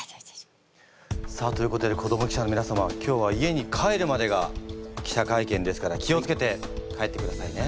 さあということで子ども記者のみなさま今日は家に帰るまでが記者会見ですから気を付けて帰ってくださいね。